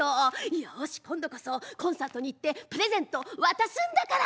よし今度こそコンサートに行ってプレゼント渡すんだから。